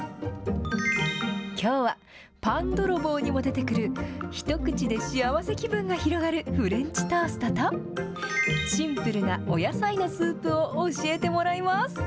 きょうはパンどろぼうにも出てくるひとくちで幸せ気分が広がるフレンチトーストと、シンプルなおやさいのスープを教えてもらいます。